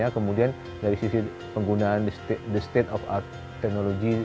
kemudian dari sisi penggunaan the state of art technology